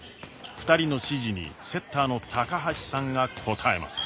２人の指示にセッターの橋さんが応えます。